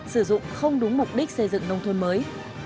sử dụng không đúng mục đích xây dựng nông thôn mới